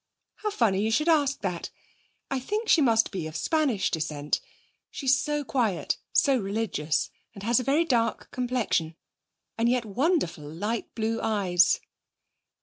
'How funny you should ask that! I think she must be of Spanish descent. She's so quiet, so religious, and has a very dark complexion. And yet wonderful light blue eyes.'